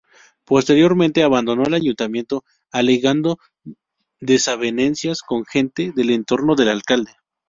Posteriormente abandonó el ayuntamiento, alegando desavenencias con "gente del entorno del alcalde".